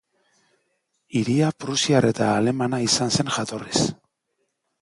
Hiria prusiar eta alemana izan zen jatorriz.